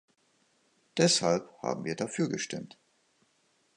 Deshalb haben wir dafür gestimmt.